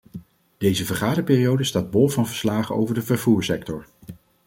Deze vergaderperiode staat bol van verslagen over de vervoersector.